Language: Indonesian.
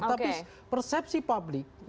tapi persepsi publik